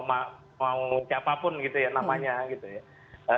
mau siapapun gitu ya namanya gitu ya